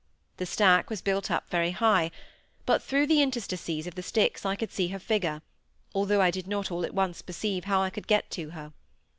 The stack was built up very high; but through the interstices of the sticks I could see her figure, although I did not all at once perceive how I could get to her.